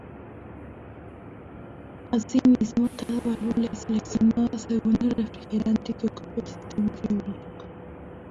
Asimismo cada válvula es seleccionada según el refrigerante que ocupe el sistema frigorífico.